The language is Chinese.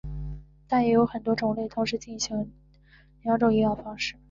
但也有很多种类同时行两种营养方式。